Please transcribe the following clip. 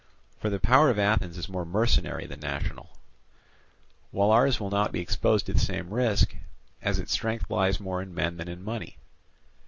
For the power of Athens is more mercenary than national; while ours will not be exposed to the same risk, as its strength lies more in men than in money.